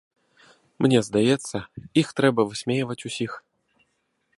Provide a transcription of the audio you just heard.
Мне здаецца, іх трэба высмейваць усіх.